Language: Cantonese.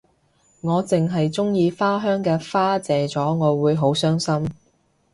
我淨係鍾意花香啲花謝咗我會好傷心